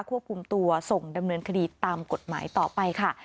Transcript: ควบคุมตัวส่งดำเนินคดีตามกฎหมายต่อไปค่ะ